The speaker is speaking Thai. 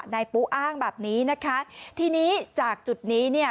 นายปุ๊อ้างแบบนี้นะคะทีนี้จากจุดนี้เนี่ย